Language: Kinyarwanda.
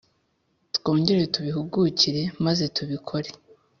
twongere tubihugukire maze tubikpore